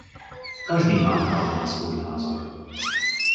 Každý má právo na svůj názor.